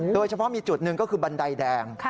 โดยเฉพาะมีจุดหนึ่งก็คือบันไดแดง